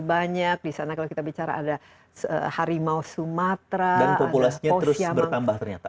banyak di sana kalau kita bicara ada harimau sumatera dan populasinya terus bertambah ternyata